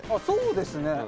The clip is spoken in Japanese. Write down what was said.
そうですね。